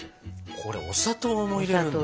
これお砂糖も入れるんだ？